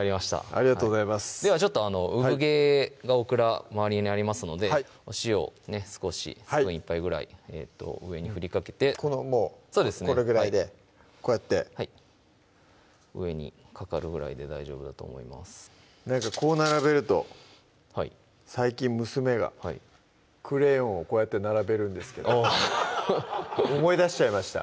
ありがとうございますではちょっとうぶ毛がオクラ周りにありますのでお塩を少しスプーン１杯ぐらい上に振りかけてもうこれぐらいでこうやってはい上にかかるぐらいで大丈夫だと思いますなんかこう並べると最近娘がはいクレヨンをこうやって並べるんですけど思い出しちゃいました